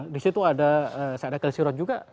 di situ ada saya ada kelesiruan juga